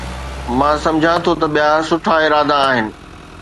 مان سمجهان ٿو ته ٻيا سٺا ارادا آهن